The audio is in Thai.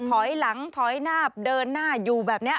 ถอยหลังถอยนาบเดินหน้าอยู่แบบนี้